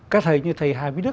các thầy như thầy hà vĩ đức